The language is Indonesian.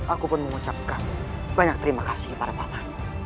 aku pun mengucapkan banyak terima kasih kepada bapak